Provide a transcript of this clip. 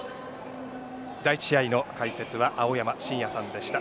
第１試合の解説は青山眞也さんでした。